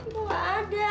gue nggak ada